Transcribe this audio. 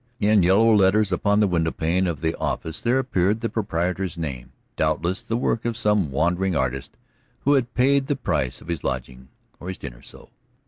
In yellow letters upon the windowpane of the office there appeared the proprietor's name, doubtless the work of some wandering artist who had paid the price of his lodging or his dinner so.